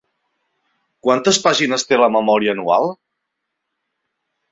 Quantes pàgines té la memòria anual?